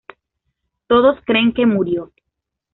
Todos creen que murió.